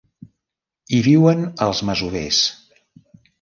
Hi viuen els masovers.